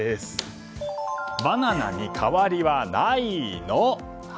バナナに代わりはないの？